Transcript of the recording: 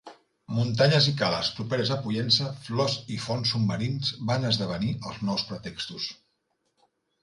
Muntanyes i cales properes a Pollença, flors i fons submarins van esdevenir els nous pretextos.